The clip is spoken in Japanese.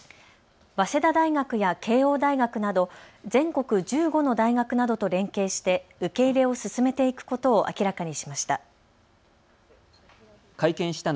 早稲田大学や慶応大学など全国１５の大学などと連携して受け入れを進めていくことを明らかにしました。